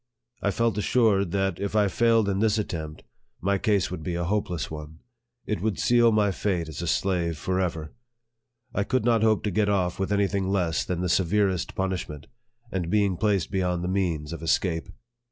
I felt assured that, if I failed in this attempt, my case would be a hopeless one it would seal my fate as a slave forever. I could not hope to get off with any thing less than the severest punishment, and being placed beyond the means of escape.